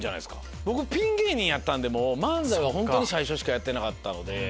僕ピン芸人やったんで漫才は最初しかやってなかった。